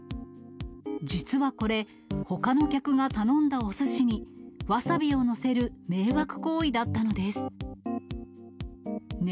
実はこれ、ほかの客が頼んだおすしに、わさびを載せる迷惑行為だったのです。